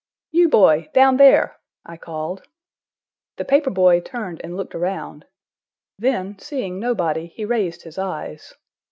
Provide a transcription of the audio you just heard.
"You boy, down there!" I called. The paper boy turned and looked around. Then, seeing nobody, he raised his eyes.